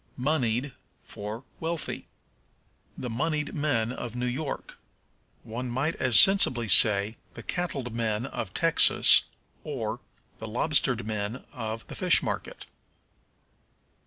Moneyed for Wealthy. "The moneyed men of New York." One might as sensibly say, "The cattled men of Texas," or, "The lobstered men of the fish market."